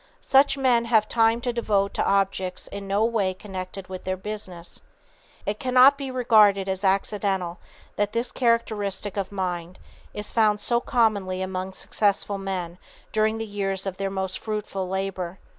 "Such men have time to devote to objects in no way connected with their business. It cannot be regarded as accidental that this characteristic of mind is found so commonly among successful men during the years of their most fruitful labor.